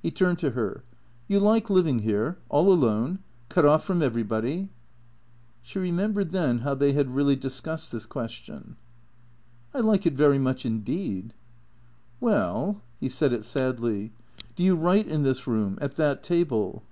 He turned to her. "You like living here? All alone? Cut off from every body?" She remembered then how they had really discussed this ques tion. " I like it very much indeed." "Well " (He said it sadly.) "Do you write in this room? At that table?"